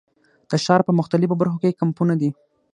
د ښار په مختلفو برخو کې یې کمپونه دي.